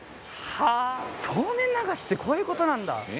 はぁそうめん流しってこういうことなんだ！